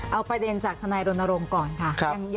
เอาประเด็นจากคณะโรนโรงก่อนค่ะ